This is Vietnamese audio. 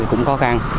cũng khó khăn